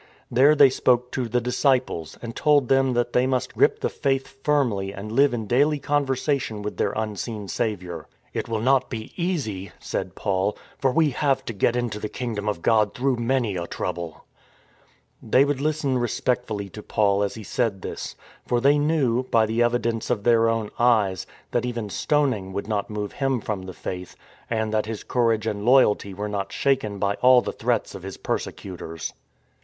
There they spoke to the disciples, and told them that they must grip the Faith firmly and live in daily conversation with their Unseen Saviour. *' It will not be easy," said Paul, " for we have to get into the Kingdom of God through many a trouble." They would listen respectfully to Paul as he said this, for they knew, by the evidence of their own eyes, that even stoning would not move him from the Faith, and that his courage and loyalty were not shaken by all the threats of his persecutors.